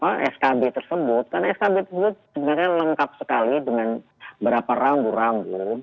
karena skb tersebut karena skb tersebut sebenarnya lengkap sekali dengan berapa rambu rambu